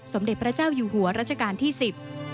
สมเด็จพระเจ้าอยู่หัวรัชกาลที่สิบ